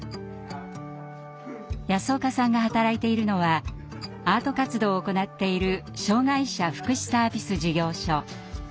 安岡さんが働いているのはアート活動を行っている障害者福祉サービス事業所。